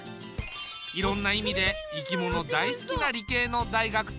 いろんな意味で生き物大好きな理系の大学生。